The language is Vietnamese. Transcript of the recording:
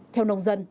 theo nông dân